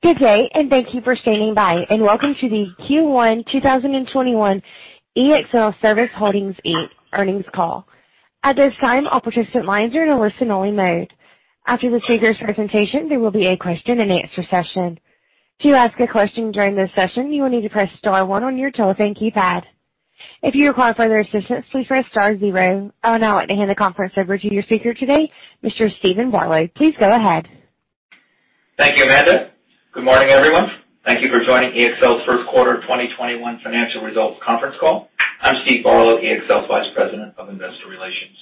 Good day, and thank you for standing by, and welcome to the Q1 2021 ExlService Holdings, Inc. earnings call. I would now like to hand the conference over to your speaker today, Mr. Steven Barlow. Please go ahead. Thank you, Amanda. Good morning, everyone. Thank you for joining EXL's first quarter 2021 financial results conference call. I'm Steven Barlow, EXL's Vice President of Investor Relations.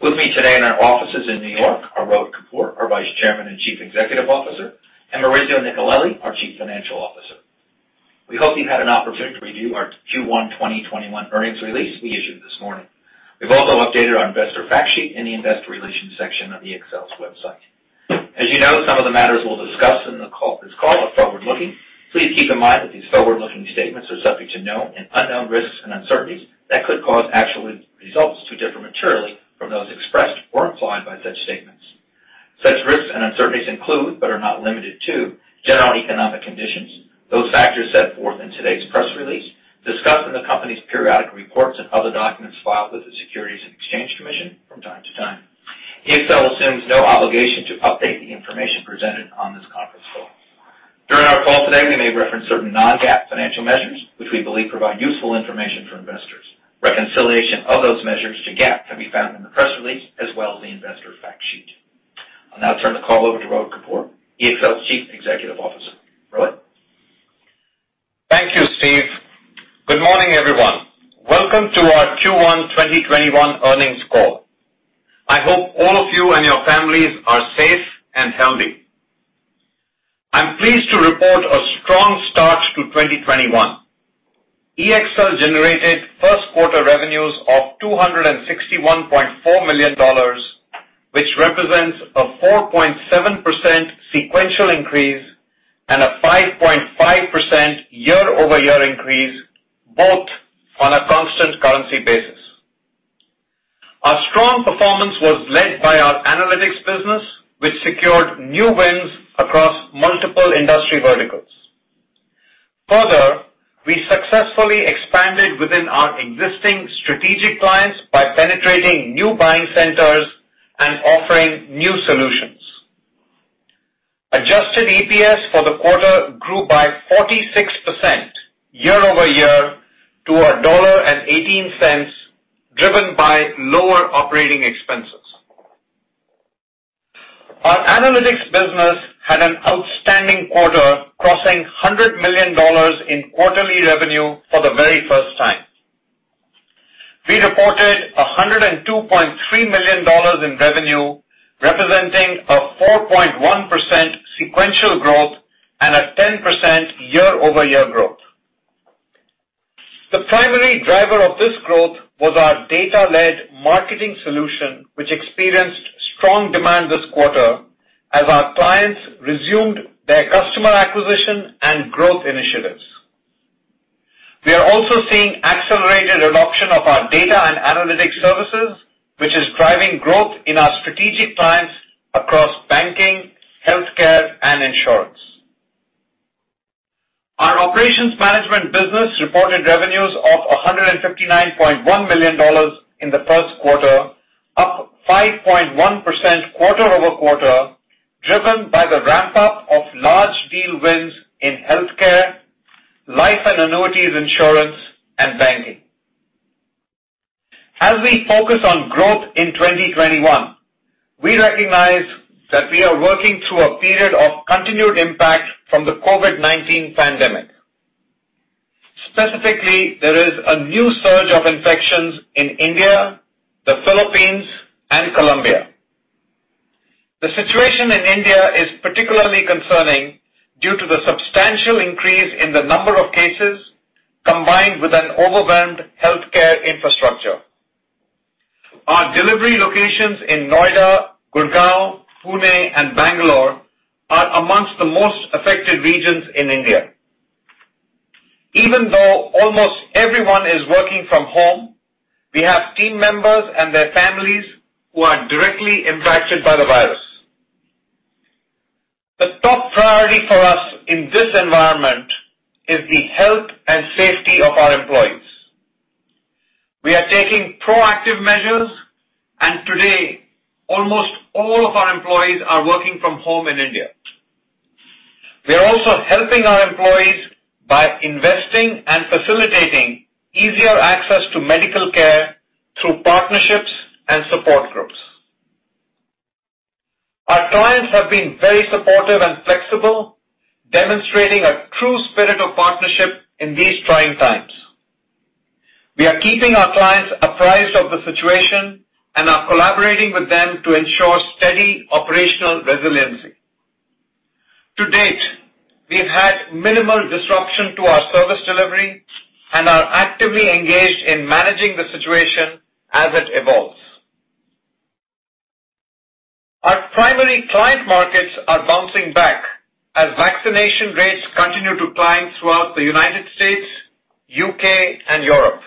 With me today in our offices in New York are Rohit Kapoor, our Vice Chairman and Chief Executive Officer, and Maurizio Nicolelli, our Chief Financial Officer. We hope you've had an opportunity to review our Q1 2021 earnings release we issued this morning. We've also updated our investor fact sheet in the investor relations section of EXL's website. As you know, some of the matters we'll discuss in this call are forward-looking. Please keep in mind that these forward-looking statements are subject to known and unknown risks and uncertainties that could cause actual results to differ materially from those expressed or implied by such statements. Such risks and uncertainties include, but are not limited to, general economic conditions, those factors set forth in today's press release, discussed in the company's periodic reports and other documents filed with the Securities and Exchange Commission from time to time. EXL assumes no obligation to update the information presented on this conference call. During our call today, we may reference certain non-GAAP financial measures, which we believe provide useful information for investors. Reconciliation of those measures to GAAP can be found in the press release as well as the investor fact sheet. I'll now turn the call over to Rohit Kapoor, EXL's Chief Executive Officer. Rohit? Thank you, Steve. Good morning, everyone. Welcome to our Q1 2021 earnings call. I hope all of you and your families are safe and healthy. I'm pleased to report a strong start to 2021. EXL generated first quarter revenues of $261.4 million, which represents a 4.7% sequential increase and a 5.5% year-over-year increase, both on a constant currency basis. Our strong performance was led by our analytics business, which secured new wins across multiple industry verticals. We successfully expanded within our existing strategic clients by penetrating new buying centers and offering new solutions. Adjusted EPS for the quarter grew by 46% year-over-year to $1.18, driven by lower operating expenses. Our analytics business had an outstanding quarter, crossing $100 million in quarterly revenue for the very first time. We reported $102.3 million in revenue, representing a 4.1% sequential growth and a 10% year-over-year growth. The primary driver of this growth was our data-led marketing solution, which experienced strong demand this quarter as our clients resumed their customer acquisition and growth initiatives. We are also seeing accelerated adoption of our data and analytics services, which is driving growth in our strategic clients across banking, healthcare, and insurance. Our operations management business reported revenues of $159.1 million in the first quarter, up 5.1% quarter-over-quarter, driven by the ramp-up of large deal wins in healthcare, life and annuities insurance, and banking. As we focus on growth in 2021, we recognize that we are working through a period of continued impact from the COVID-19 pandemic. Specifically, there is a new surge of infections in India, the Philippines, and Colombia. The situation in India is particularly concerning due to the substantial increase in the number of cases, combined with an overwhelmed healthcare infrastructure. Our delivery locations in Noida, Gurgaon, Pune, and Bangalore are amongst the most affected regions in India. Even though almost everyone is working from home, we have team members and their families who are directly impacted by the virus. The top priority for us in this environment is the health and safety of our employees. We are taking proactive measures, and today, almost all of our employees are working from home in India. We are also helping our employees by investing and facilitating easier access to medical care through partnerships and support groups. Our clients have been very supportive and flexible, demonstrating a true spirit of partnership in these trying times. We are keeping our clients apprised of the situation and are collaborating with them to ensure steady operational resiliency. To date, we've had minimal disruption to our service delivery and are actively engaged in managing the situation as it evolves. Our primary client markets are bouncing back as vaccination rates continue to climb throughout the U.S., U.K., and Europe.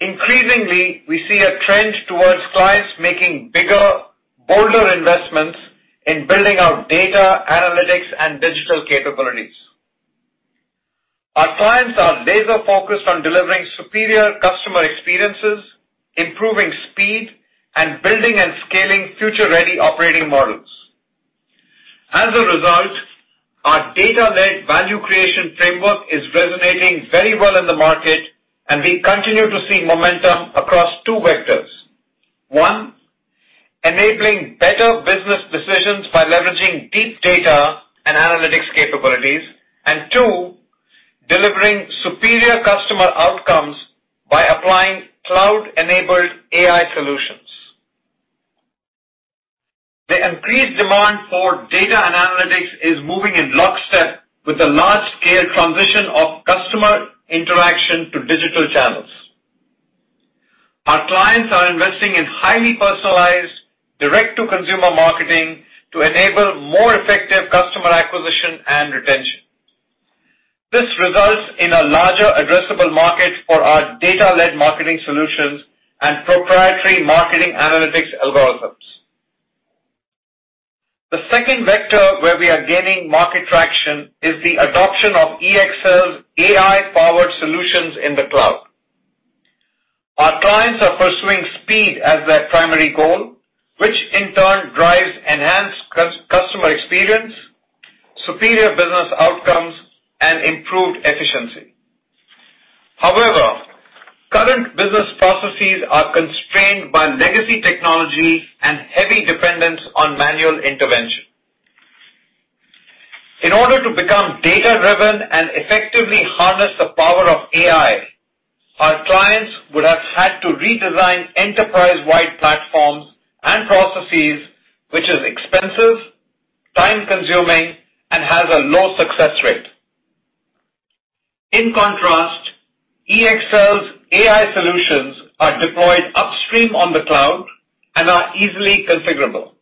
Increasingly, we see a trend towards clients making bigger, bolder investments in building out data analytics and digital capabilities. Our clients are laser-focused on delivering superior customer experiences, improving speed, and building and scaling future-ready operating models. As a result, our data-led value creation framework is resonating very well in the market, and we continue to see momentum across two vectors. One, enabling better business decisions by leveraging deep data and analytics capabilities. Two, delivering superior customer outcomes by applying cloud-enabled AI solutions. The increased demand for data and analytics is moving in lockstep with the large-scale transition of customer interaction to digital channels. Our clients are investing in highly personalized direct-to-consumer marketing to enable more effective customer acquisition and retention. This results in a larger addressable market for our data-led marketing solutions and proprietary marketing analytics algorithms. The second vector where we are gaining market traction is the adoption of EXL's AI-powered solutions in the cloud. Our clients are pursuing speed as their primary goal, which in turn drives enhanced customer experience, superior business outcomes, and improved efficiency. However, current business processes are constrained by legacy technology and heavy dependence on manual intervention. In order to become data-driven and effectively harness the power of AI, our clients would have had to redesign enterprise-wide platforms and processes, which is expensive, time-consuming, and has a low success rate. In contrast, EXL's AI solutions are deployed upstream on the cloud and are easily configurable.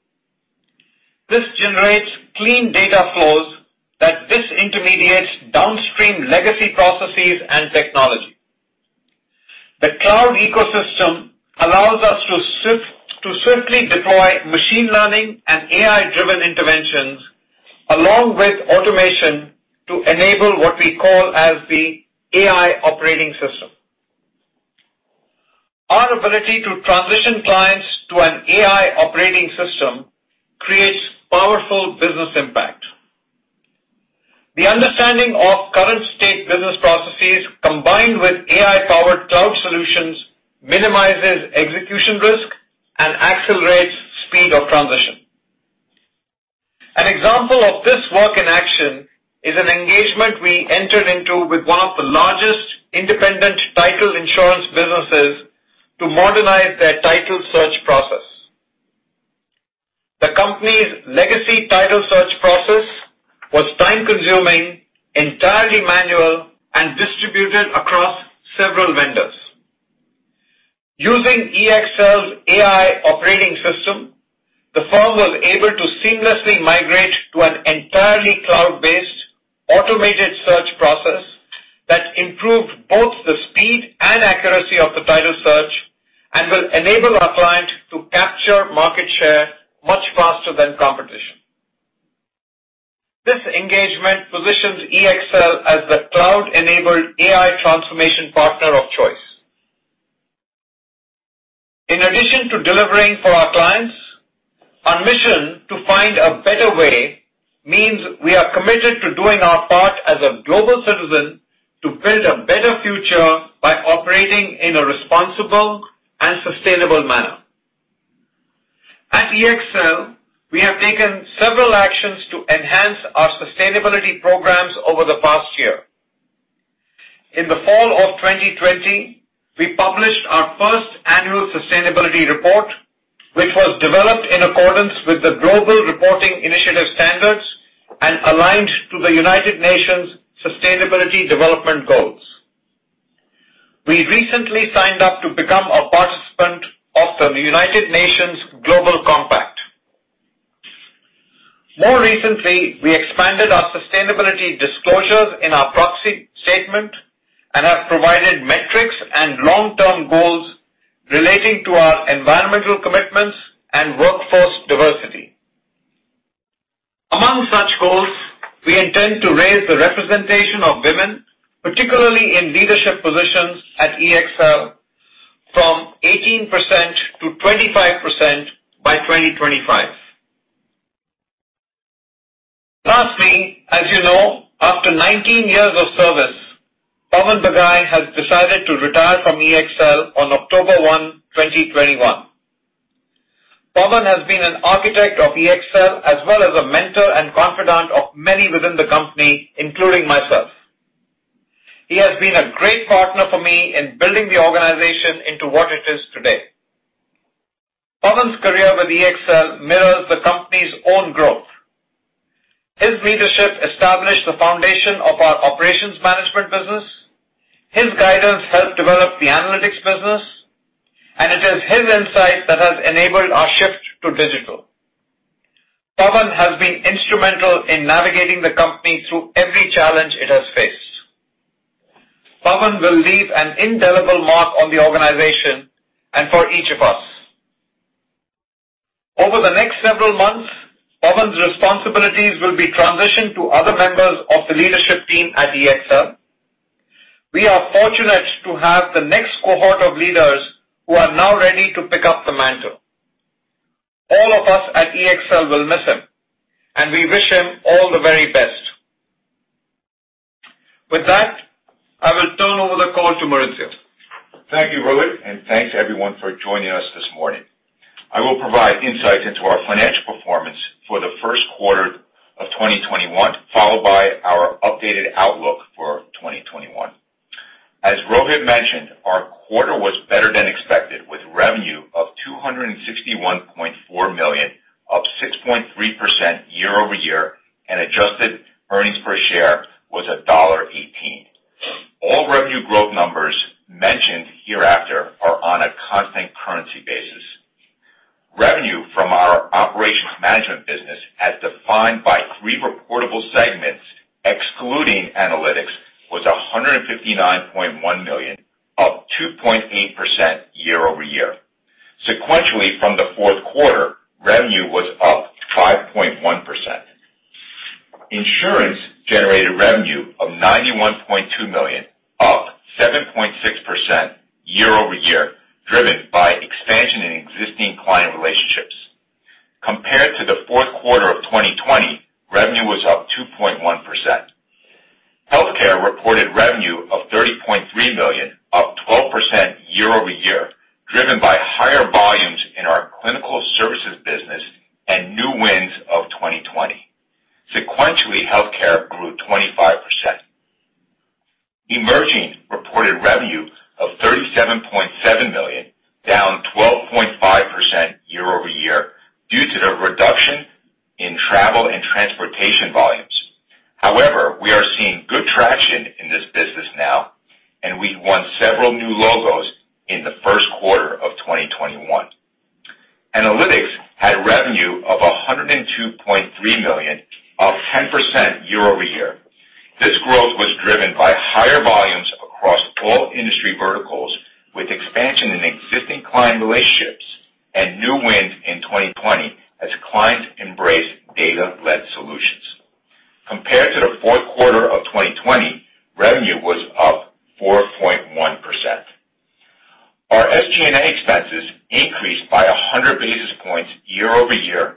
This generates clean data flows that disintermediate downstream legacy processes and technology. The cloud ecosystem allows us to swiftly deploy machine learning and AI-driven interventions along with automation to enable what we call as the AI operating system. Our ability to transition clients to an AI operating system creates powerful business impact. The understanding of current state business processes, combined with AI-powered cloud solutions, minimizes execution risk and accelerates speed of transition. An example of this work in action is an engagement we entered into with one of the largest independent title insurance businesses to modernize their title search process. The company's legacy title search process was time-consuming, entirely manual, and distributed across several vendors. Using EXL's AI operating system, the firm was able to seamlessly migrate to an entirely cloud-based automated search process that improved both the speed and accuracy of the title search and will enable our client to capture market share much faster than competition. This engagement positions EXL as the cloud-enabled AI transformation partner of choice. In addition to delivering for our clients, our mission to find a better way means we are committed to doing our part as a global citizen to build a better future by operating in a responsible and sustainable manner. At EXL, we have taken several actions to enhance our sustainability programs over the past year. In the fall of 2020, we published our first annual sustainability report, which was developed in accordance with the Global Reporting Initiative standards and aligned to the United Nations Sustainable Development Goals. We recently signed up to become a participant of the United Nations Global Compact. More recently, we expanded our sustainability disclosures in our proxy statement and have provided metrics and long-term goals relating to our environmental commitments and workforce diversity. Among such goals, we intend to raise the representation of women, particularly in leadership positions at EXL, from 18% to 25% by 2025. Lastly, as you know, after 19 years of service, Pavan Bagai has decided to retire from EXL on October 1, 2021. Pavan has been an architect of EXL as well as a mentor and confidant of many within the company, including myself. He has been a great partner for me in building the organization into what it is today. Pavan's career with EXL mirrors the company's own growth. His leadership established the foundation of our operations management business. His guidance helped develop the analytics business, and it is his insight that has enabled our shift to digital. Pavan has been instrumental in navigating the company through every challenge it has faced. Pavan will leave an indelible mark on the organization and for each of us. Over the next several months, Pavan's responsibilities will be transitioned to other members of the leadership team at EXL. We are fortunate to have the next cohort of leaders who are now ready to pick up the mantle. All of us at EXL will miss him, and we wish him all the very best. With that, I will turn over the call to Maurizio. Thank you, Rohit, and thanks everyone for joining us this morning. I will provide insights into our financial performance for the first quarter of 2021, followed by our updated outlook for 2021. As Rohit mentioned, our quarter was better than expected, with revenue of $261.4 million, up 6.3% year-over-year, and adjusted earnings per share was $1.18. All revenue growth numbers mentioned hereafter are on a constant currency basis. Revenue from our operations management business, as defined by three reportable segments, excluding analytics, was $159.1 million, up 2.8% year-over-year. Sequentially from the fourth quarter, revenue was up 5.1%. Insurance generated revenue of $91.2 million, up 7.6% year-over-year, driven by expansion in existing client relationships. Compared to the Q4 2020, revenue was up 2.1%. Healthcare reported revenue of $30.3 million, up 12% year-over-year, driven by higher volumes in our clinical services business and new wins of 2020. Sequentially, Healthcare grew 25%. Emerging reported revenue of $37.7 million, down 12.5% year-over-year due to the reduction in travel and transportation volumes. However, we are seeing good traction in this business now, and we won several new logos in the Q1 2021. Analytics had revenue of $102.3 million, up 10% year-over-year. This growth was driven by higher volumes across all industry verticals, with expansion in existing client relationships and new wins in 2020 as clients embrace data-led solutions. Compared to the Q4 2020, revenue was up 4.1%. Our SG&A expenses increased by 100 basis points year-over-year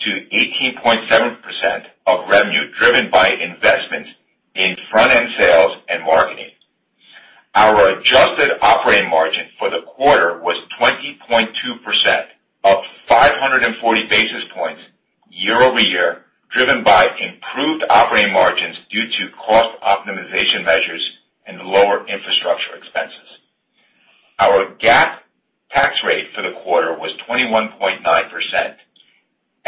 to 18.7% of revenue driven by investment in front-end sales and marketing. Our adjusted operating margin for the quarter was 20.2%, up 540 basis points year-over-year, driven by improved operating margins due to cost optimization measures and lower infrastructure expenses. Our GAAP tax rate for the quarter was 21.9%.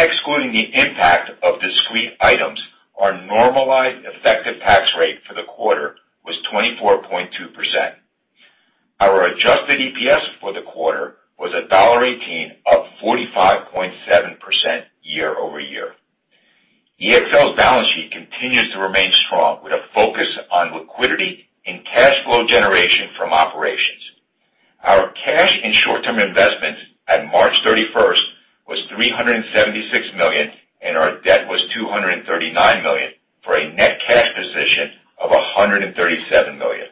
Excluding the impact of discrete items, our normalized effective tax rate for the quarter was 24.2%. Our adjusted EPS for the quarter was $1.18, up 45.7% year-over-year. EXL's balance sheet continues to remain strong, with a focus on liquidity and cash flow generation from operations. Our cash and short-term investments at March 31st was $376 million, and our debt was $239 million, for a net cash position of $137 million.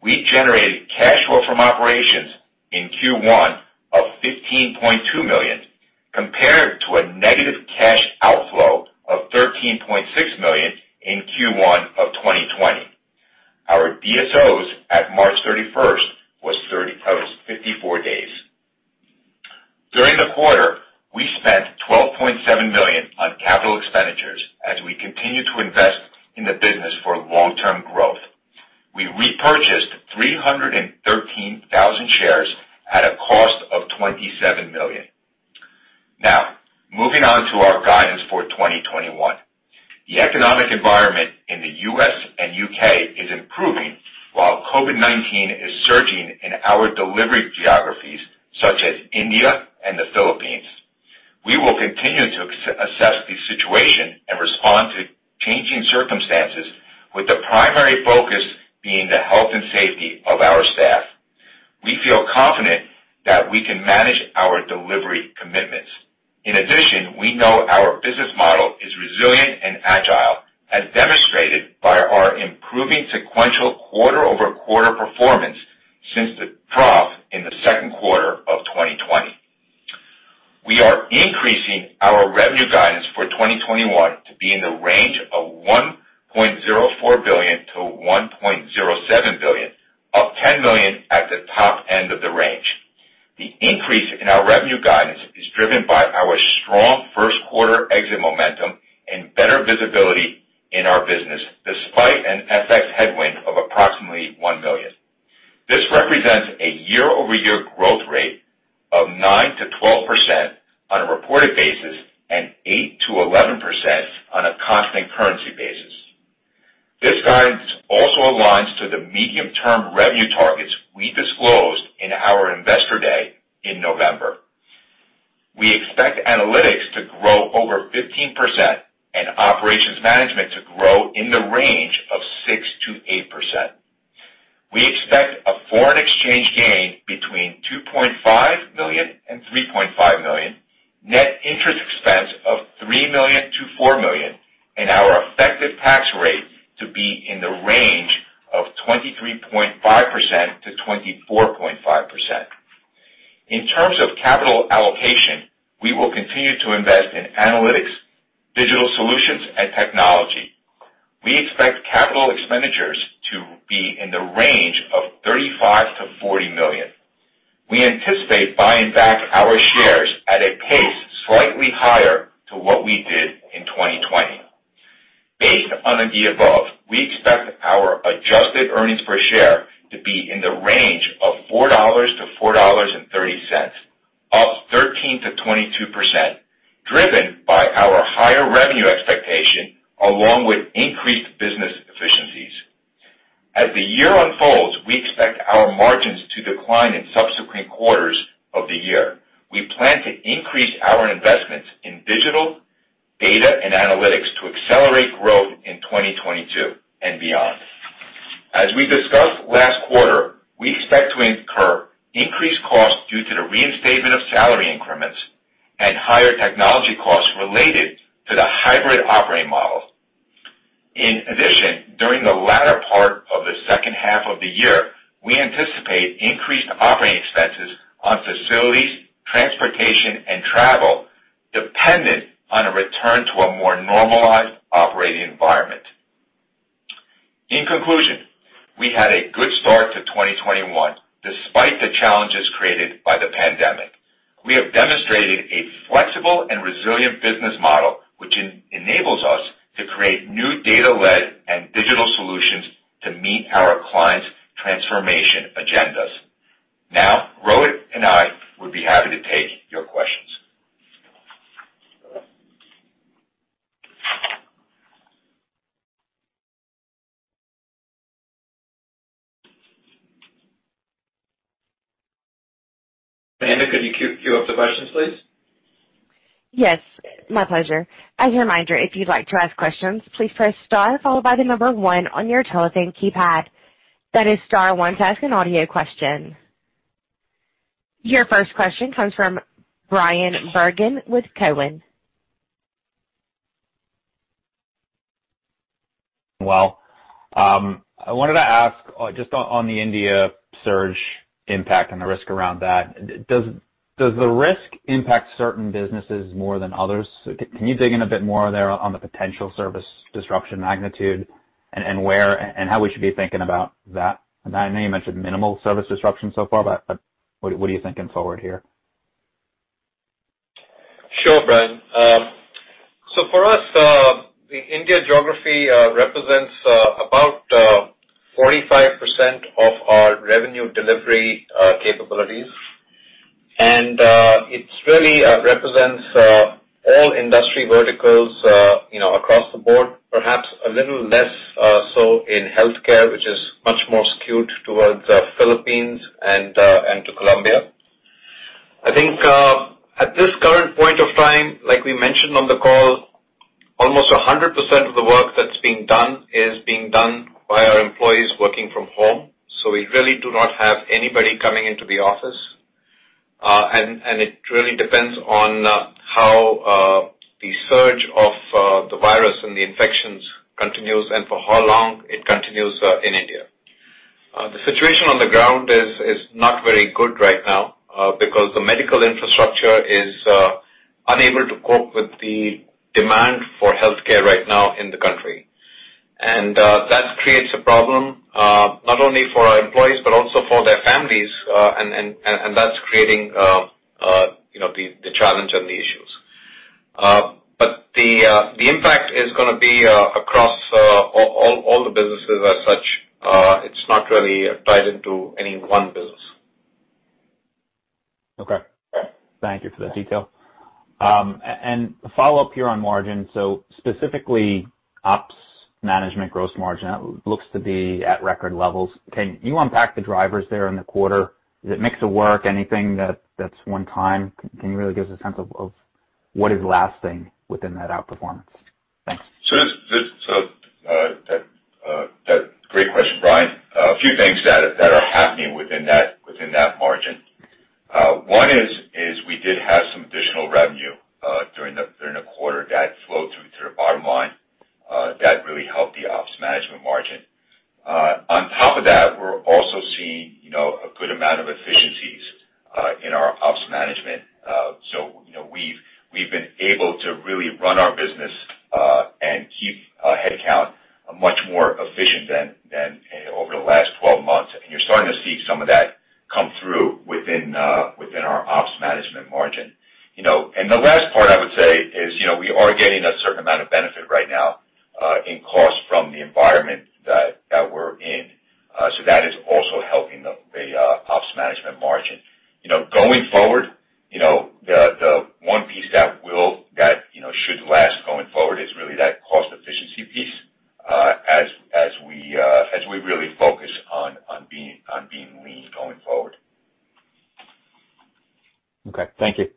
We generated cash flow from operations in Q1 of $15.2 million, compared to a negative cash outflow of $13.6 million in Q1 of 2020. Our DSOs at March 31st was 54 days. During the quarter, we spent $12.7 million on capital expenditures as we continue to invest in the business for long-term growth. We repurchased 313,000 shares at a cost of $27 million. Now, moving on to our guidance for 2021. The economic environment in the U.S. and U.K. is improving while COVID-19 is surging in our delivery geographies such as India and the Philippines. We will continue to assess the situation and respond to changing circumstances, with the primary focus being the health and safety of our staff. We feel confident that we can manage our delivery commitments. In addition, we know our business model is resilient and agile, as demonstrated by our improving sequential quarter-over-quarter performance since the trough in the second quarter of 2020. We are increasing our revenue guidance for 2021 to be in the range of $1.04 billion-$1.07 billion, up $10 million at the top end of the range. The increase in our revenue guidance is driven by our strong first quarter exit momentum and better visibility in our business, despite an FX headwind of approximately $1 million. This represents a year-over-year growth rate of 9%-12% on a reported basis, and 8%-11% on a constant currency basis. This guidance also aligns to the medium-term revenue targets we disclosed in our investor day in November. We expect analytics to grow over 15% and operations management to grow in the range of 6%-8%. We expect a foreign exchange gain between $2.5 million and $3.5 million, net interest expense of $3 million-$4 million, and our effective tax rate to be in the range of 23.5%-24.5%. In terms of capital allocation, we will continue to invest in analytics, digital solutions and technology. We expect capital expenditures to be in the range of $35 million-$40 million. We anticipate buying back our shares at a pace slightly higher to what we did in 2020. Based on the above, we expect our adjusted EPS to be in the range of $4-$4.30, up 13%-22%, driven by our higher revenue expectation along with increased business efficiencies. As the year unfolds, we expect our margins to decline in subsequent quarters of the year. We plan to increase our investments in digital, data and analytics to accelerate growth in 2022 and beyond. As we discussed last quarter, we expect to incur increased costs due to the reinstatement of salary increments and higher technology costs related to the hybrid operating model. In addition, during the latter part of the second half of the year, we anticipate increased operating expenses on facilities, transportation, and travel dependent on a return to a more normalized operating environment. In conclusion, we had a good start to 2021, despite the challenges created by the pandemic. We have demonstrated a flexible and resilient business model, which enables us to create new data-led and digital solutions to meet our clients' transformation agendas. Rohit and I would be happy to take your questions. Amanda, could you queue up the questions, please? Yes, my pleasure. As a reminder, if you'd like to ask questions, please press star followed by the number 1 on your telephone keypad. That is star one to ask an audio question. Your first question comes from Bryan Bergin with Cowen. I wanted to ask just on the India surge impact and the risk around that. Does the risk impact certain businesses more than others? Can you dig in a bit more there on the potential service disruption magnitude and where, and how we should be thinking about that? I know you mentioned minimal service disruption so far, but what are you thinking forward here? Sure, Bryan. For us, the India geography represents about 45% of our revenue delivery capabilities. It really represents all industry verticals across the board, perhaps a little less so in healthcare, which is much more skewed towards Philippines and to Colombia. I think at this current point of time, like we mentioned on the call, almost 100% of the work that's being done is being done by our employees working from home. We really do not have anybody coming into the office. It really depends on how the surge of the virus and the infections continues and for how long it continues in India. The situation on the ground is not very good right now because the medical infrastructure is unable to cope with the demand for healthcare right now in the country. That creates a problem, not only for our employees, but also for their families, and that's creating the challenge and the issues. The impact is gonna be across all the businesses as such. It's not really tied into any one business. Okay. Thank you for the detail. A follow-up here on margin. Specifically, ops management gross margin looks to be at record levels. Can you unpack the drivers there in the quarter? Is it mix of work, anything that's one time? Can you really give us a sense of what is lasting within that outperformance? Thanks. Great question, Bryan. A few things that are happening within that margin. One is we did have some additional revenue during the quarter that flowed through to the bottom line that really helped the ops management margin. On top of that, we're also seeing a good amount of efficiencies in our ops management. We've been able to really run our business, and keep our head count much more efficient than over the last 12 months. You're starting to see some of that come through within our ops management margin. The last part I would say is we are getting a certain amount of benefit right now, in cost from the environment we're in. That is also helping the ops management margin. Going forward, the one piece that should last going forward is really that cost efficiency piece, as we really focus on being lean going forward. Okay. Thank you.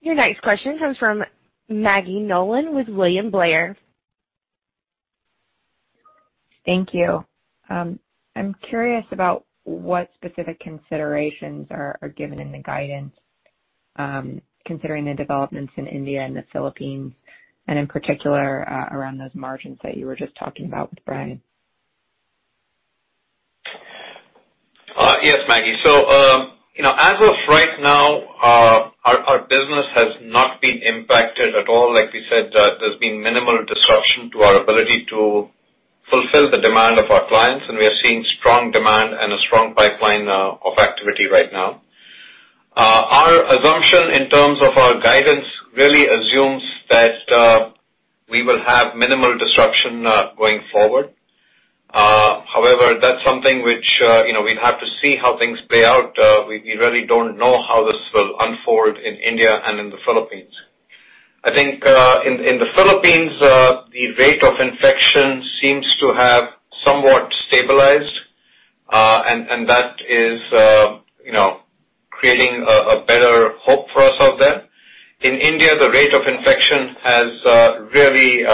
Your next question comes from Maggie Nolan with William Blair. Thank you. I'm curious about what specific considerations are given in the guidance, considering the developments in India and the Philippines, in particular, around those margins that you were just talking about with Bryan Bergin. Yes, Maggie. As of right now, our business has not been impacted at all. Like we said, there's been minimal disruption to our ability to fulfill the demand of our clients, and we are seeing strong demand and a strong pipeline of activity right now. Our assumption in terms of our guidance really assumes that we will have minimal disruption, going forward. However, that's something which we'd have to see how things play out. We really don't know how this will unfold in India and in the Philippines. I think, in the Philippines, the rate of infection seems to have somewhat stabilized, and that is creating a better hope for us out there. In India, the rate of infection has really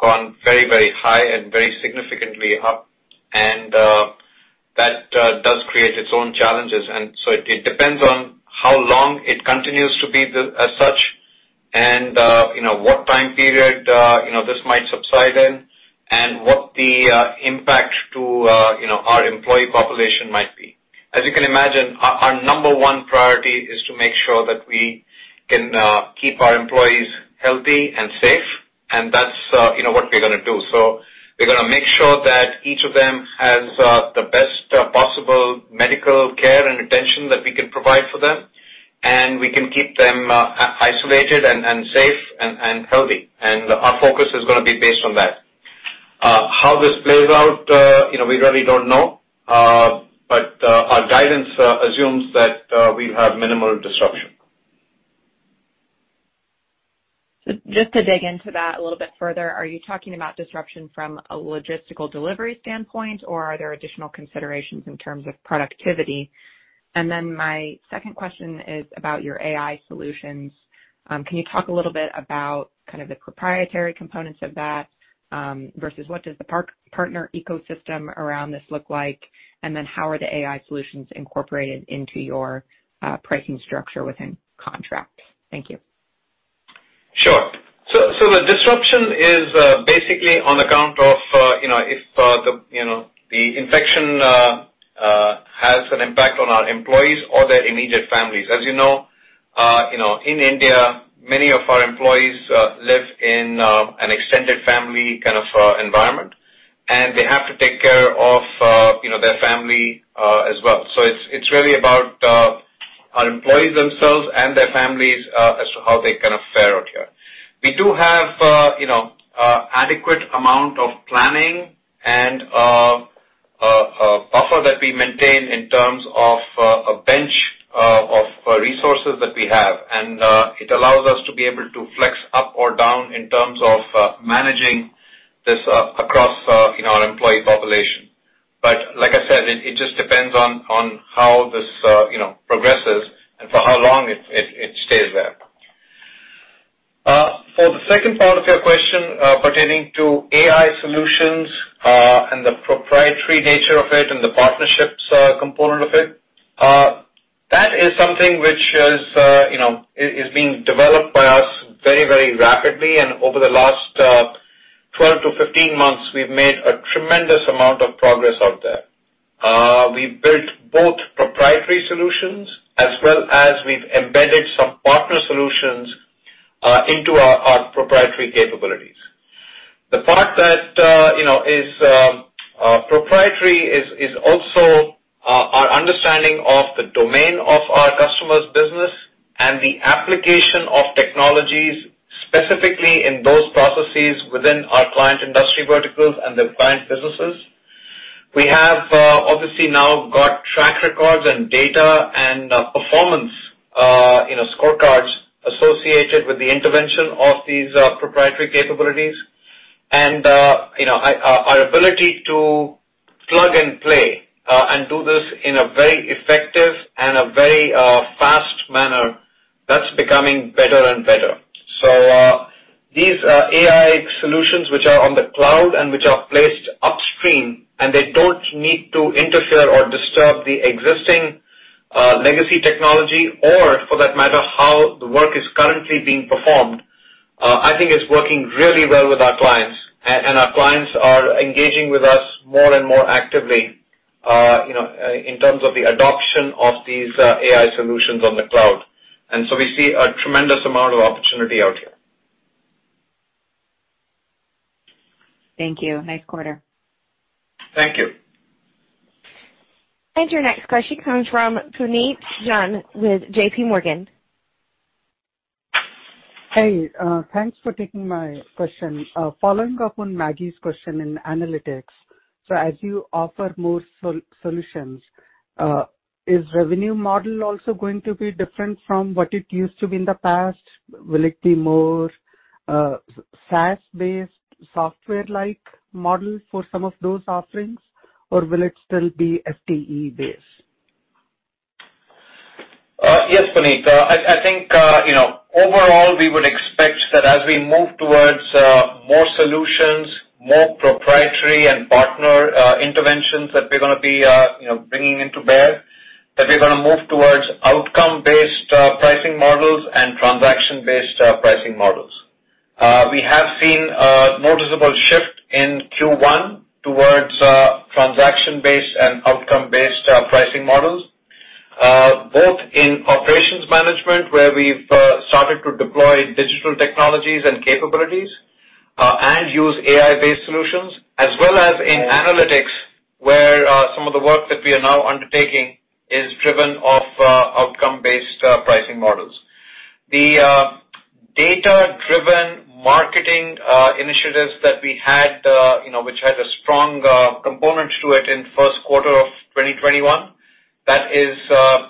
gone very high and very significantly up. That does create its own challenges, and so it depends on how long it continues to be as such and what time period this might subside in and what the impact to our employee population might be. As you can imagine, our number one priority is to make sure that we can keep our employees healthy and safe, and that's what we're gonna do. We're gonna make sure that each of them has the best possible medical care and attention that we can provide for them, and we can keep them isolated and safe and healthy. Our focus is gonna be based on that. How this plays out, we really don't know. Our guidance assumes that we have minimal disruption. Just to dig into that a little bit further, are you talking about disruption from a logistical delivery standpoint, or are there additional considerations in terms of productivity? My second question is about your AI solutions. Can you talk a little bit about kind of the proprietary components of that, versus what does the partner ecosystem around this look like? How are the AI solutions incorporated into your pricing structure within contracts? Thank you. Sure. The disruption is basically on account of if the infection has an impact on our employees or their immediate families. As you know, in India, many of our employees live in an extended family kind of environment, and they have to take care of their family as well. It's really about our employees themselves and their families, as to how they kind of fare out here. We do have adequate amount of planning and a buffer that we maintain in terms of a bench of resources that we have. It allows us to be able to flex up or down in terms of managing this across our employee population. Like I said, it just depends on how this progresses and for how long it stays there. For the second part of your question, pertaining to AI solutions, and the proprietary nature of it and the partnerships component of it, that is something which is being developed by us very rapidly. Over the last 12 to 15 months, we've made a tremendous amount of progress out there. We've built both proprietary solutions as well as we've embedded some partner solutions into our proprietary capabilities. The part that is proprietary is also our understanding of the domain of our customers' business and the application of technologies specifically in those processes within our client industry verticals and their client businesses. We have obviously now got track records and data and performance scorecards associated with the intervention of these proprietary capabilities. Our ability to plug and play and do this in a very effective and a very fast manner, that's becoming better and better. These AI solutions, which are on the cloud and which are placed upstream, and they don't need to interfere or disturb the existing legacy technology or for that matter, how the work is currently being performed, I think it's working really well with our clients. Our clients are engaging with us more and more actively in terms of the adoption of these AI solutions on the cloud. We see a tremendous amount of opportunity out here. Thank you. Nice quarter. Thank you. Your next question comes from Puneet Jain with JPMorgan. Hey, thanks for taking my question. Following up on Maggie's question in analytics. As you offer more solutions, is revenue model also going to be different from what it used to be in the past? Will it be more SaaS-based software like model for some of those offerings or will it still be FTE-based? Yes, Puneet. I think overall we would expect that as we move towards more solutions, more proprietary and partner interventions that we're going to be bringing into bear, that we're going to move towards outcome based pricing models and transaction based pricing models. We have seen a noticeable shift in Q1 towards transaction based and outcome based pricing models, both in operations management where we've started to deploy digital technologies and capabilities and use AI based solutions, as well as in analytics, where some of the work that we are now undertaking is driven off outcome based pricing models. The data driven marketing initiatives that we had which had a strong component to it in first quarter of 2021, that is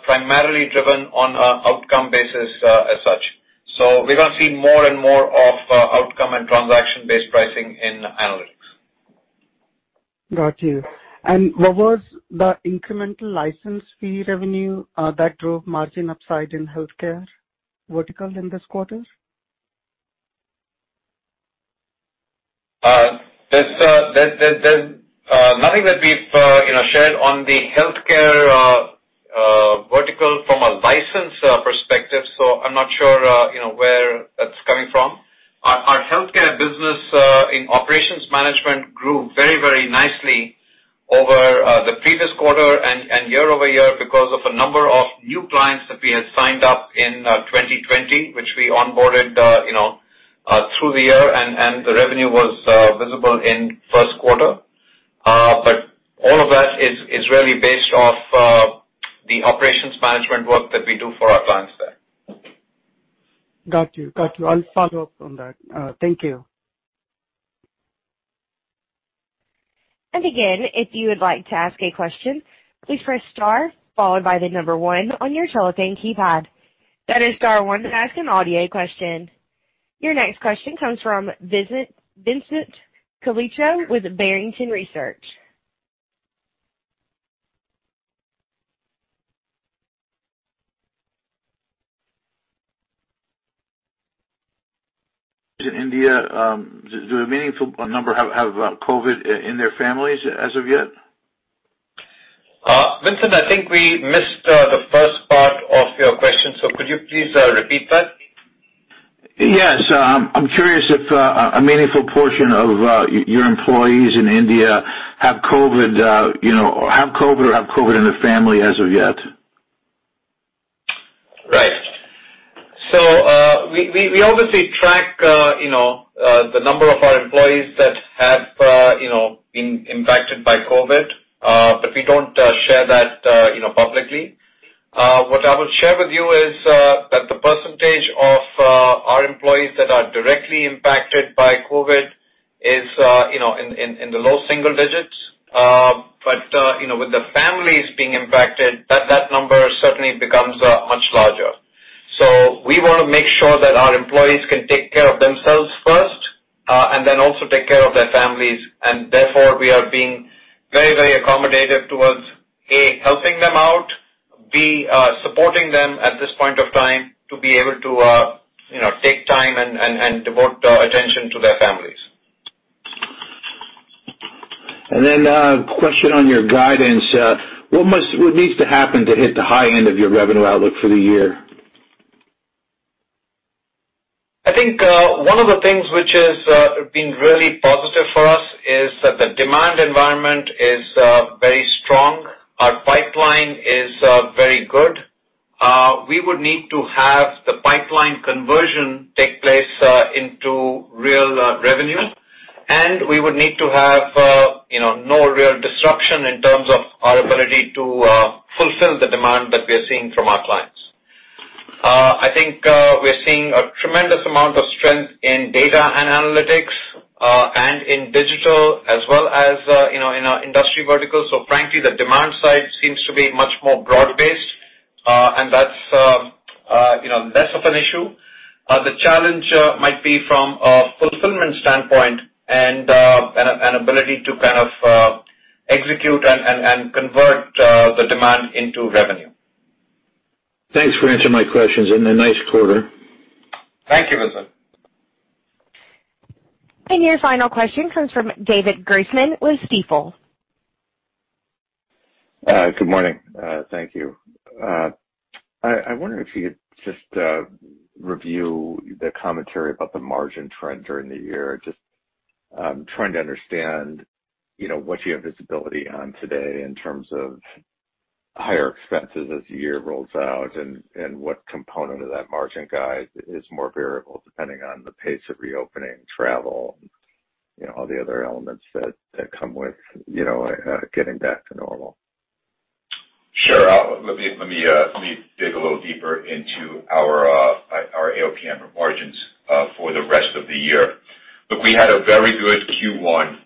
primarily driven on outcome basis as such. We're going to see more and more of outcome and transaction based pricing in analytics. Got you. What was the incremental license fee revenue that drove margin upside in healthcare vertical in this quarter? There's nothing that we've shared on the healthcare vertical from a license perspective, so I'm not sure where that's coming from. Our healthcare business in operations management grew very nicely over the previous quarter and year-over-year because of a number of new clients that we had signed up in 2020, which we onboarded through the year and the revenue was visible in first quarter. All of that is really based off the operations management work that we do for our clients there. Got you. I'll follow up on that. Thank you. Again, if you would like to ask a question, please press star followed by the number one on your telephone keypad. That is star one to ask an audio question. Your next question comes from Vincent Colicchio with Barrington Research. In India, do a meaningful number have COVID in their families as of yet? Vincent, I think we missed the first part of your question. Could you please repeat that? Yes. I'm curious if a meaningful portion of your employees in India have COVID or have COVID in their family as of yet. We obviously track the number of our employees that have been impacted by COVID-19, but we don't share that publicly. What I will share with you is that the percentage of our employees that are directly impacted by COVID-19 is in the low single digits. With the families being impacted, that number certainly becomes much larger. We want to make sure that our employees can take care of themselves first and then also take care of their families, and therefore we are being very accommodative towards A, helping them out, B, supporting them at this point of time to be able to take time and devote attention to their families. A question on your guidance. What needs to happen to hit the high end of your revenue outlook for the year? I think one of the things which has been really positive for us is that the demand environment is very strong. Our pipeline is very good. We would need to have the pipeline conversion take place into real revenue, and we would need to have no real disruption in terms of our ability to fulfill the demand that we are seeing from our clients. I think we're seeing a tremendous amount of strength in data and analytics, and in digital as well as in our industry vertical. Frankly, the demand side seems to be much more broad-based, and that's less of an issue. The challenge might be from a fulfillment standpoint and ability to kind of execute and convert the demand into revenue. Thanks for answering my questions and a nice quarter. Thank you, Vincent. Your final question comes from David Grossman with Stifel. Good morning. Thank you. I wonder if you could just review the commentary about the margin trend during the year. Just trying to understand what you have visibility on today in terms of higher expenses as the year rolls out, and what component of that margin guide is more variable depending on the pace of reopening travel all the other elements that come with getting back to normal. Sure. Let me dig a little deeper into our AOPM margins for the rest of the year. Look, we had a very good Q1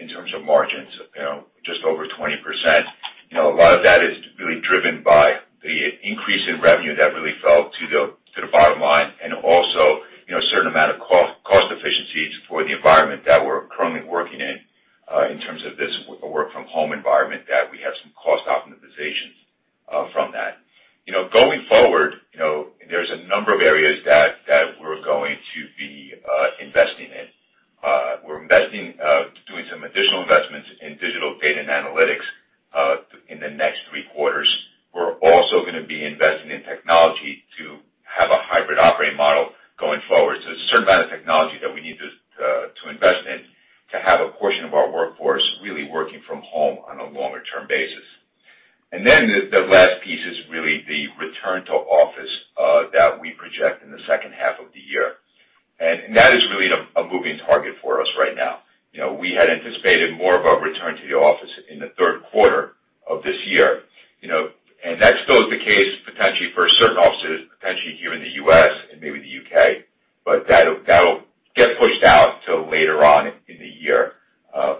in terms of margins, just over 20%. A lot of that is really driven by the increase in revenue that really fell to the bottom line and also, a certain amount of cost efficiencies for the environment that we're currently working in terms of this work from home environment, that we have some cost optimizations from that. Going forward, there's a number of areas that we're going to be investing in. We're doing some additional investments in digital data and analytics in the next three quarters. We're also going to be investing in technology to have a hybrid operating model going forward. There's a certain amount of technology that we need to invest in to have a portion of our workforce really working from home on a longer term basis. The last piece is really the return to office that we project in the second half of the year. That is really a moving target for us right now. We had anticipated more of a return to the office in the third quarter of this year, and that still is the case potentially for certain offices, potentially here in the U.S. and maybe the U.K., but that'll get pushed out till later on in the year.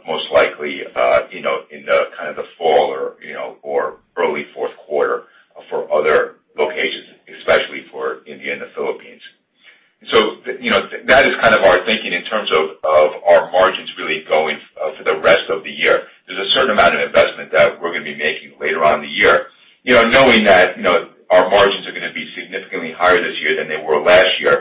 Most likely in the fall or early fourth quarter for other locations, especially for India and the Philippines. That is our thinking in terms of our margins really going for the rest of the year. There's a certain amount of investment that we're going to be making later on in the year, knowing that our margins are going to be significantly higher this year than they were last year,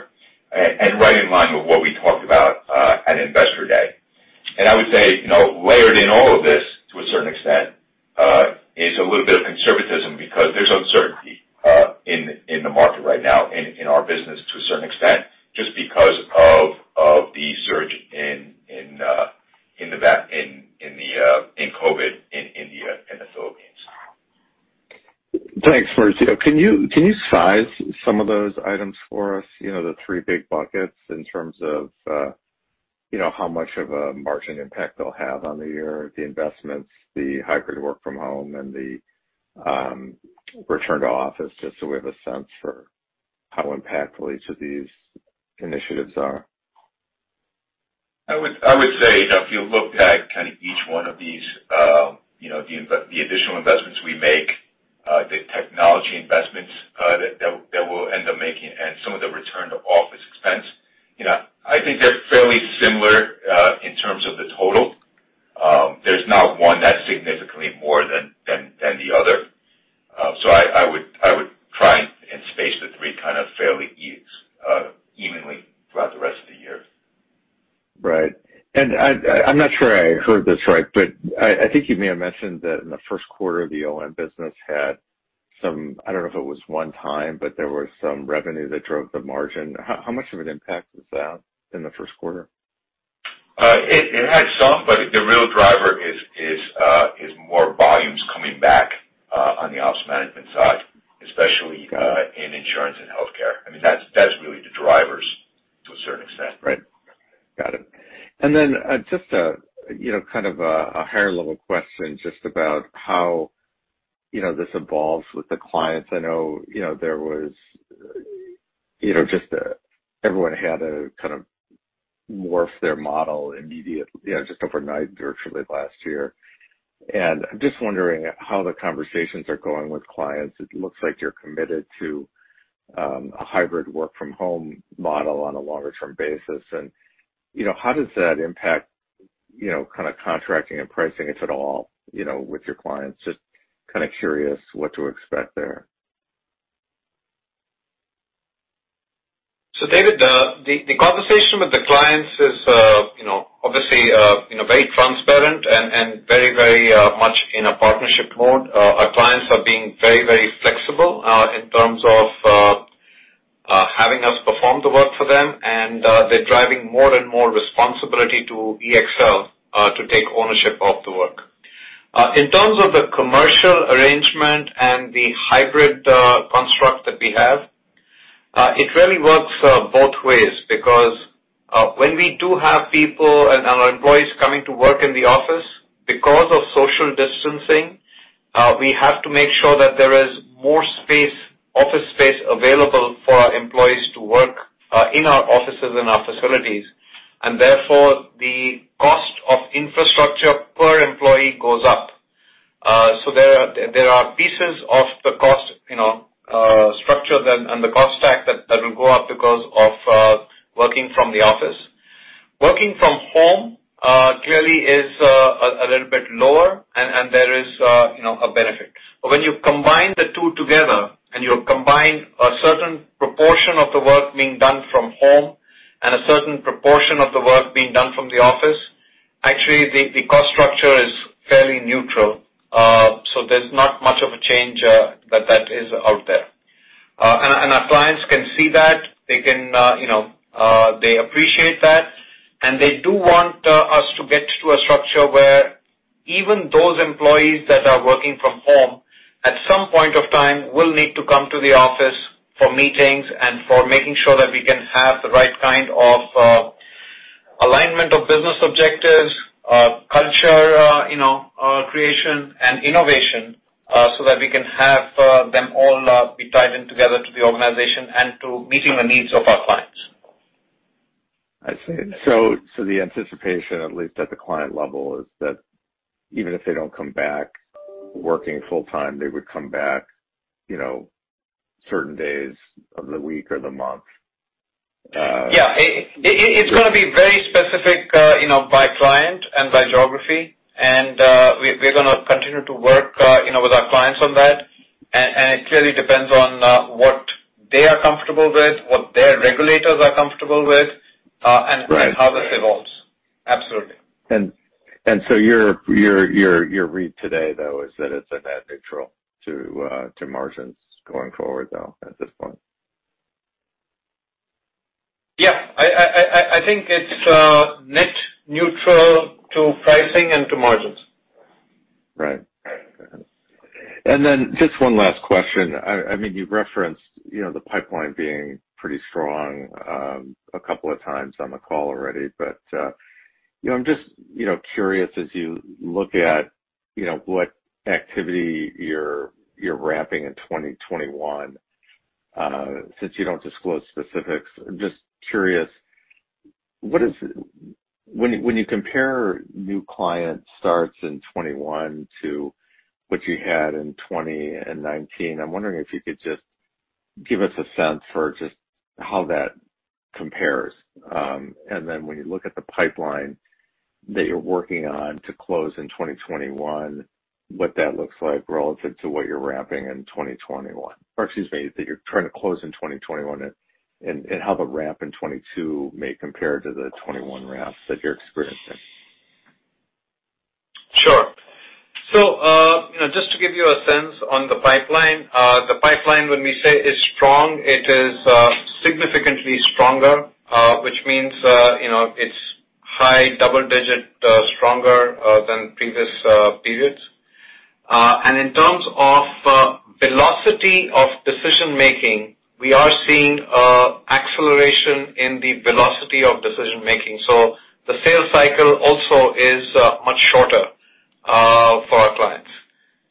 and right in line with what we talked about at Investor Day. I would say, layered in all of this to a certain extent, is a little bit of conservatism because there's uncertainty in the market right now, in our business to a certain extent, just because of the surge in COVID-19 in India and the Philippines. Thanks, Maurizio. Can you size some of those items for us, the three big buckets in terms of how much of a margin impact they'll have on the year, the investments, the hybrid work from home, and the return to office, just so we have a sense for how impactful each of these initiatives are? I would say, if you look at each one of these, the additional investments we make, the technology investments that we'll end up making, and some of the return to office expense, I think they're fairly similar, in terms of the total. There's not one that's significantly more than the other. I would try and space the three fairly evenly throughout the rest of the year. Right. I'm not sure I heard this right, but I think you may have mentioned that in the first quarter, the OM business had some, I don't know if it was one time, but there was some revenue that drove the margin. How much of an impact was that in the first quarter? It had some, but the real driver is more volumes coming back on the ops management side, especially- Got it. in insurance and healthcare. That's really the drivers to a certain extent. Right. Got it. Just a higher level question, just about how this evolves with the clients. I know everyone had to morph their model immediately, just overnight, virtually last year. I'm just wondering how the conversations are going with clients. It looks like you're committed to a hybrid work from home model on a longer term basis, and how does that impact contracting and pricing, if at all, with your clients? Just curious what to expect there. David Grossman, the conversation with the clients is obviously very transparent and very much in a partnership mode. Our clients are being very flexible in terms of having us perform the work for them, and they're driving more and more responsibility to EXL to take ownership of the work. In terms of the commercial arrangement and the hybrid construct that we have, it really works both ways because when we do have people and our employees coming to work in the office, because of social distancing, we have to make sure that there is more office space available for our employees to work in our offices and our facilities. Therefore, the cost of infrastructure per employee goes up. There are pieces of the cost structure and the cost stack that will go up because of working from the office. Working from home clearly is a little bit lower, and there is a benefit. When you combine the two together and you combine a certain proportion of the work being done from home and a certain proportion of the work being done from the office, actually, the cost structure is fairly neutral. There's not much of a change that is out there. Our clients can see that. They appreciate that, and they do want us to get to a structure where even those employees that are working from home, at some point of time, will need to come to the office for meetings and for making sure that we can have the right kind of alignment of business objectives, culture creation, and innovation, so that we can have them all be tied in together to the organization and to meeting the needs of our clients. I see. The anticipation, at least at the client level, is that even if they don't come back working full time, they would come back certain days of the week or the month. Yeah. It's going to be very specific by client and by geography. We're going to continue to work with our clients on that. It clearly depends on what they are comfortable with, what their regulators are comfortable with. Right. How this evolves. Absolutely. Your read today, though, is that it's a net neutral to margins going forward, though, at this point. Yeah. I think it's net neutral to pricing and to margins. Right. Just one last question. You've referenced the pipeline being pretty strong a couple of times on the call already, but I'm just curious as you look at what activity you're ramping in 2021. Since you don't disclose specifics, I'm just curious, when you compare new client starts in 2021 to what you had in 2020 and 2019, I'm wondering if you could just give us a sense for just how that compares. When you look at the pipeline that you're working on to close in 2021, what that looks like relative to what you're ramping in 2021. Excuse me, that you're trying to close in 2021 and how the ramp in 2022 may compare to the 2021 ramps that you're experiencing. Sure. Just to give you a sense on the pipeline. The pipeline, when we say is strong, it is significantly stronger, which means, it's high double-digit stronger than previous periods. In terms of velocity of decision making, we are seeing acceleration in the velocity of decision making. The sales cycle also is much shorter for our clients.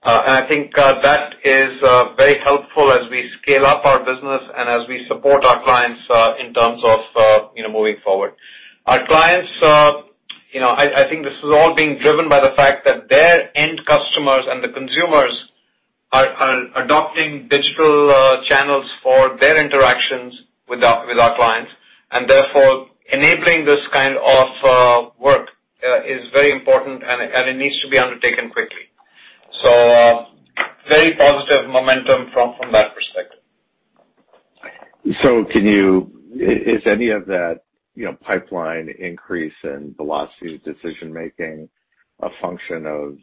I think that is very helpful as we scale up our business and as we support our clients in terms of moving forward. I think this is all being driven by the fact that their end customers and the consumers are adopting digital channels for their interactions with our clients. Therefore, enabling this kind of work is very important, and it needs to be undertaken quickly. Very positive momentum from that perspective. Is any of that pipeline increase in velocity of decision making a function of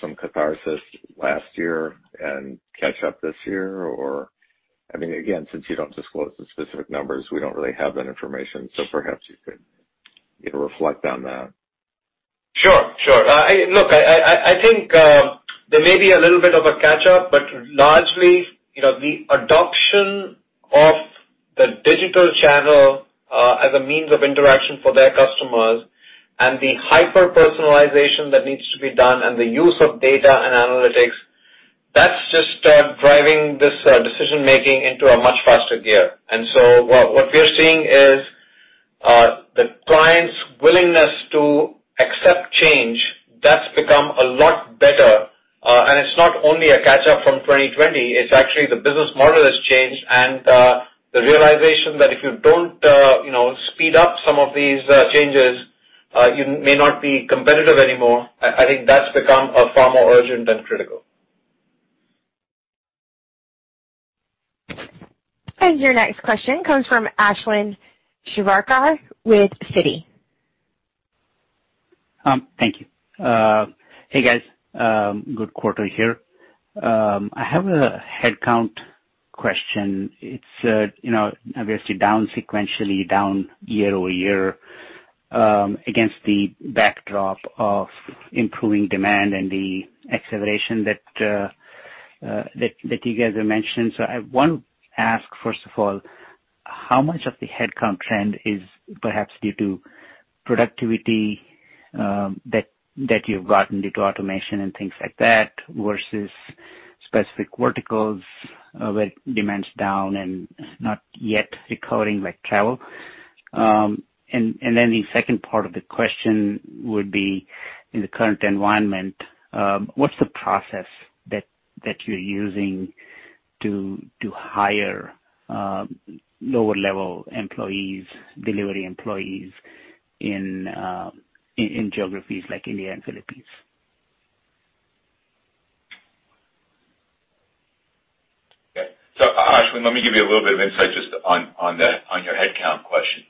some catharsis last year and catch up this year? Again, since you don't disclose the specific numbers, we don't really have that information, so perhaps you could reflect on that. Sure. Look, I think there may be a little bit of a catch-up. Largely, the adoption of the digital channel as a means of interaction for their customers and the hyper-personalization that needs to be done and the use of data and analytics, that's just driving this decision making into a much faster gear. What we're seeing is the client's willingness to accept change, that's become a lot better. It's not only a catch-up from 2020, it's actually the business model has changed, and the realization that if you don't speed up some of these changes, you may not be competitive anymore. I think that's become far more urgent and critical. Your next question comes from Ashwin Shirvaikar with Citi. Thank you. Hey, guys. Good quarter here. I have a headcount question. It's obviously down sequentially, down year-over-year, against the backdrop of improving demand and the acceleration that you guys have mentioned. I want to ask, first of all, how much of the headcount trend is perhaps due to productivity that you've gotten due to automation and things like that, versus specific verticals where demand's down and not yet recovering, like travel? The second part of the question would be, in the current environment, what's the process that you're using to hire lower level employees, delivery employees in geographies like India and Philippines? Okay. Ashwin, let me give you a little bit of insight just on your headcount question.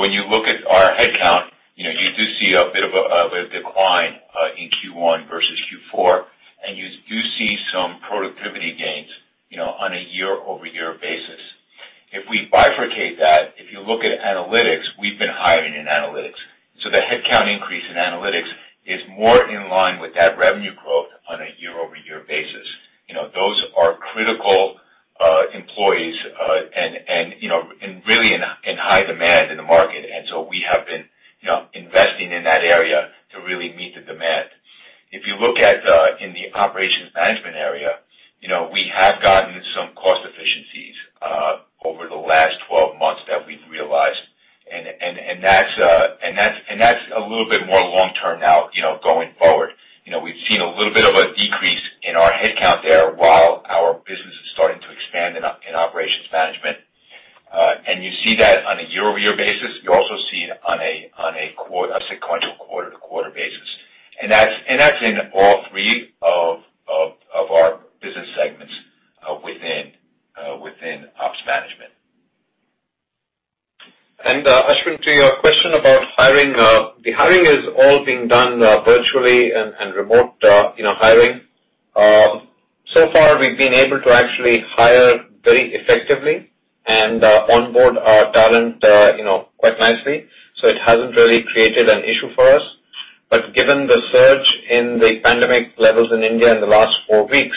When you look at our headcount, you do see a bit of a decline in Q1 versus Q4, and you do see some productivity gains on a year-over-year basis. If we bifurcate that, if you look at analytics, we've been hiring in analytics. The headcount increase in analytics is more in line with that revenue growth on a year-over-year basis. Those are critical employees and really in high demand in the market. We have been investing in that area to really meet the demand. If you look at in the operations management area, we have gotten some cost efficiencies over the last 12 months that we've realized, and that's a little bit more long-term now, going forward. We've seen a little bit of a decrease in our headcount there while our business is starting to expand in operations management. You see that on a year-over-year basis. You also see it on a sequential quarter-to-quarter basis. That's in all three of our business segments within ops management. Ashwin, to your question about hiring, the hiring is all being done virtually and remote hiring. Far, we've been able to actually hire very effectively and onboard our talent quite nicely. It hasn't really created an issue for us. Given the surge in the pandemic levels in India in the last four weeks,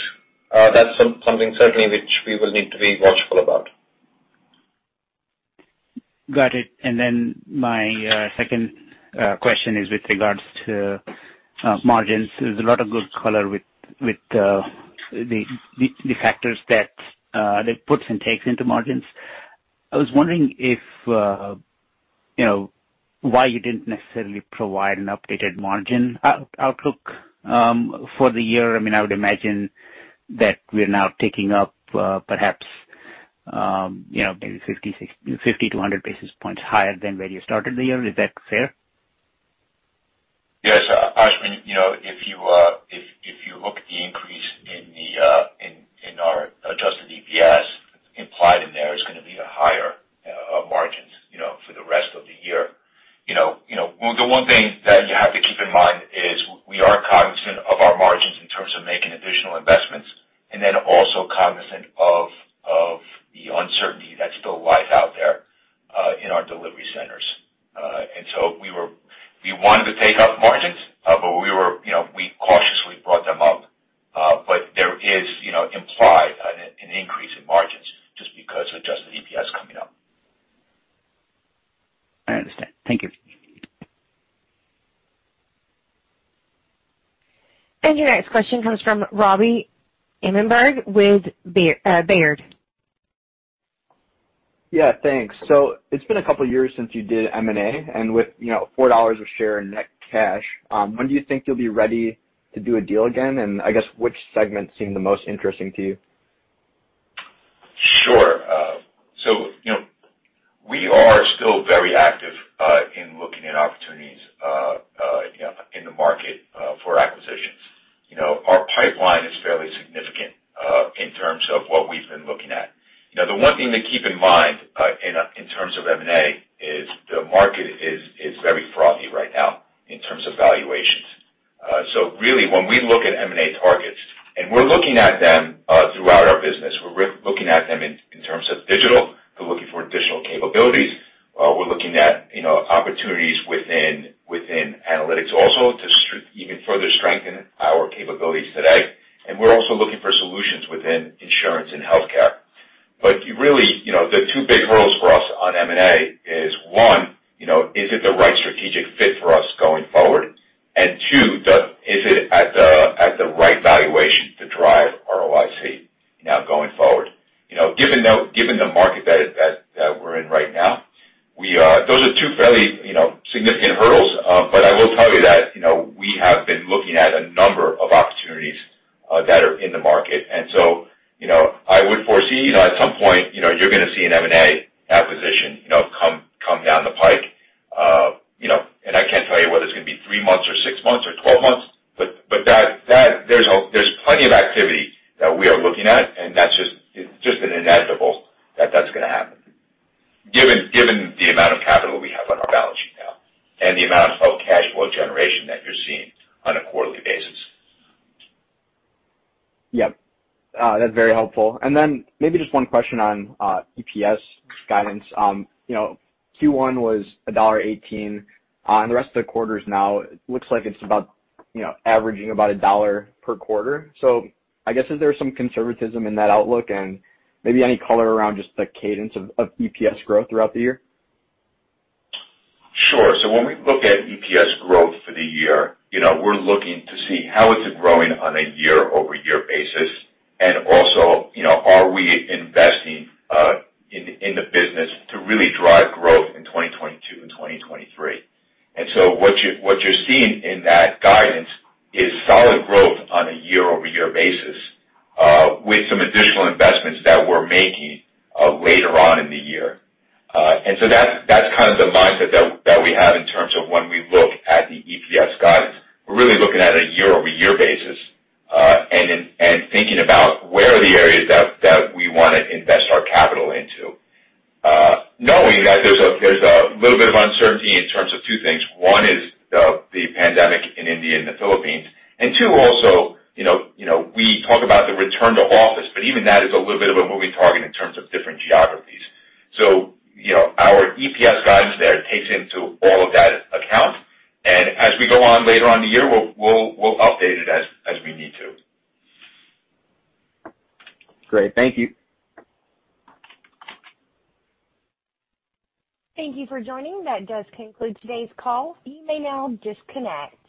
that's something certainly which we will need to be watchful about. Got it. My second question is with regards to margins. There's a lot of good color with the factors that puts and takes into margins. I was wondering why you didn't necessarily provide an updated margin outlook for the year. I would imagine that we're now taking up perhaps maybe 50-100 basis points higher than where you started the year. Is that fair? Yes. Ashwin, if you look at the increase in our adjusted EPS implied in there is going to be higher margins for the rest of the year. The one thing that you have to keep in mind is we are cognizant of our margins in terms of making additional investments, also cognizant of the uncertainty that's still live out there in our delivery centers. We wanted to take up margins, we cautiously brought them up. There is implied an increase in margins just because adjusted EPS coming up. I understand. Thank you. Your next question comes from Robert Ahrenberg with Baird. Yeah, thanks. It's been a couple of years since you did M&A, with $4 a share in net cash, when do you think you'll be ready to do a deal again? I guess which segments seem the most interesting to you? Sure. We are still very active in looking at opportunities in the market for acquisitions. Our pipeline is fairly significant in terms of what we've been looking at. The one thing to keep in mind, in terms of M&A is the market is very frothy right now in terms of valuations. Really, when we look at M&A targets, and we're looking at them throughout our business, we're looking at them in terms of digital. We're looking for additional capabilities. We're looking at opportunities within analytics also to even further strengthen our capabilities today. We're also looking for solutions within insurance and healthcare. Really, the two big hurdles for us on M&A is one, is it the right strategic fit for us going forward? Two, is it at the right valuation to drive ROIC now going forward? Given the market that we're in right now, those are two fairly significant hurdles. I will tell you that we have been looking at a number of opportunities that are in the market, and so I would foresee at some point you're going to see an M&A acquisition come down the pike. I can't tell you whether it's going to be three months or six months or 12 months, but there's plenty of activity that we are looking at, and that's just an inevitable that that's going to happen given the amount of capital we have on our balance sheet now and the amount of cash flow generation that you're seeing on a quarterly basis. Yep. That's very helpful. Maybe just one question on EPS guidance. Q1 was $1.18, and the rest of the quarters now looks like it's about averaging about $1 per quarter. I guess, is there some conservatism in that outlook and maybe any color around just the cadence of EPS growth throughout the year? Sure. When we look at EPS growth for the year, we're looking to see how is it growing on a year-over-year basis. Also, are we investing in the business to really drive growth in 2022 and 2023. What you're seeing in that guidance is solid growth on a year-over-year basis with some additional investments that we're making later on in the year. That's kind of the mindset that we have in terms of when we look at the EPS guidance. We're really looking at a year-over-year basis, and thinking about where are the areas that we want to invest our capital into. Knowing that there's a little bit of uncertainty in terms of two things. One is the pandemic in India and the Philippines, and two, also, we talk about the return to office, but even that is a little bit of a moving target in terms of different geographies. Our EPS guidance there takes into all of that account, and as we go on later on in the year, we'll update it as we need to. Great. Thank you. Thank you for joining. That does conclude today's call. You may now disconnect.